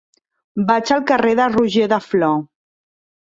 Vaig al carrer de Roger de Flor.